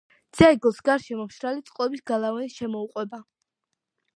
ძეგლს გარშემო მშრალი წყობის გალავანი შემოუყვება.